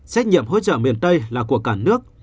trách nhiệm hỗ trợ miền tây là của cả nước